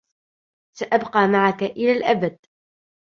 سأبقى معك إلى الأبد.